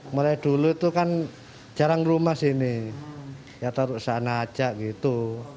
mulai dulu itu kan jarang rumah sini ya taruh sana aja gitu